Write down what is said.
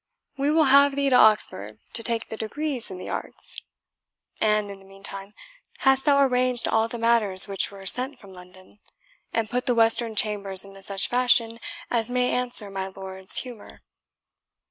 We will have thee to Oxford to take the degrees in the arts. And, in the meantime, hast thou arranged all the matters which were sent from London, and put the western chambers into such fashion as may answer my lord's humour?"